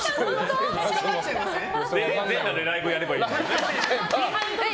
全裸でライブやればいいじゃんね。